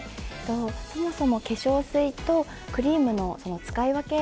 そもそも化粧水とクリームの使い分け